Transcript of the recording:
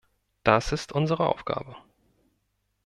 Das ist unsere Aufgabe!